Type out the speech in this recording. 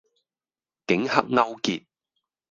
警黑勾結